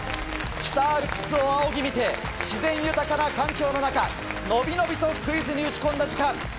北アルプスを仰ぎ見て自然豊かな環境の中伸び伸びとクイズに打ち込んだ時間。